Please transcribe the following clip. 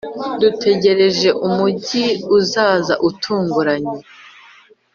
dutegereje umugi uzaza utunguranye